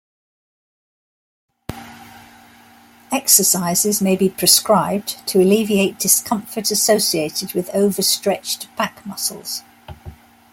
Exercises may be prescribed to alleviate discomfort associated with overstretched back muscles.